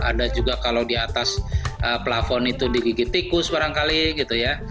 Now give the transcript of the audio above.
ada juga kalau di atas plafon itu digigit tikus barangkali gitu ya